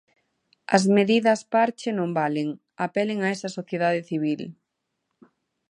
As medidas parche non valen, apelen a esa sociedade civil.